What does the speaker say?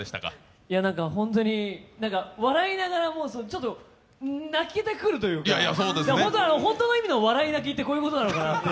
笑いながら本当に泣けてくるというか、本当の意味の笑い泣きってこういうことかなって。